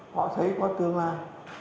họ thấy có tương lai